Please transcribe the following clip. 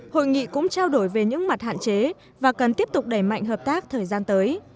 hội nghị cũng trao đổi về những mặt hạn chế và cần tiếp tục đẩy mạnh hợp tác thời gian tới